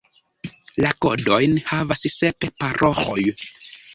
La kodojn havas sep paroĥoj.